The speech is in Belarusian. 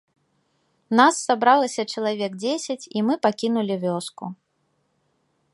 Нас сабралася чалавек дзесяць, і мы пакінулі вёску.